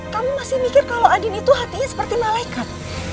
kamu masih mikir kalau adin itu hatinya seperti malaikat